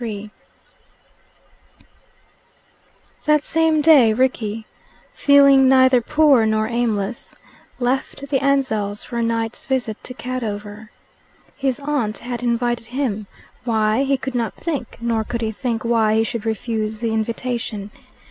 XXXIII That same day Rickie, feeling neither poor nor aimless, left the Ansells' for a night's visit to Cadover. His aunt had invited him why, he could not think, nor could he think why he should refuse the invitation.